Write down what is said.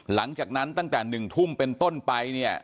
หลังจากนั้นตั้งแต่๑ทุ่มเป็นต้นไปเนี่ย